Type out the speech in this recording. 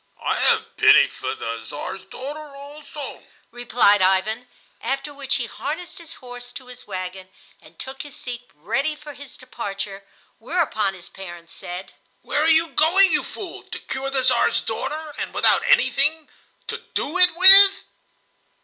"I have pity for the Czar's daughter also," replied Ivan, after which he harnessed his horse to his wagon and took his seat ready for his departure; whereupon his parents said: "Where are you going, you fool—to cure the Czar's daughter, and without anything to do it with?"